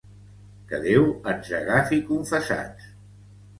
que Déu ens agafi confessats!